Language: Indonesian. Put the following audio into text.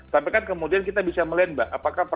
tapi kan kemudian kita bisa melihat mbak